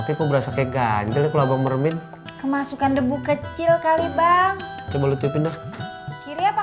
sampai jumpa di video selanjutnya